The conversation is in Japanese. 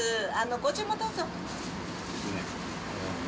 ご注文どうぞ。